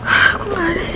aku nggak ada sih